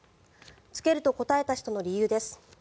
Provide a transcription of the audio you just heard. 着けると答えた人の理由です。